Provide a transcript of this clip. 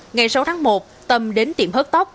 ngày sáu tháng một tâm đến tiệm hớt tóc